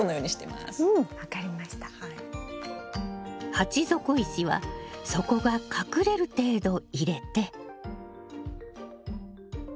鉢底石は底が隠れる程度入れて。